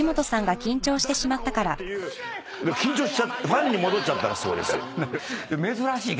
ファンに戻っちゃったそうです。